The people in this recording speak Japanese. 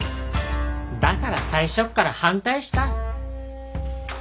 だから最初っから反対した。